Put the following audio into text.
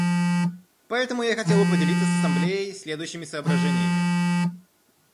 Поэтому я хотел бы поделиться с Ассамблеей следующими соображениями.